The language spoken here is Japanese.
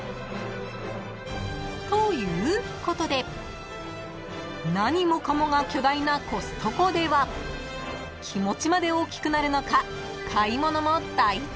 ［ということで何もかもが巨大なコストコでは気持ちまで大きくなるのか買い物も大胆］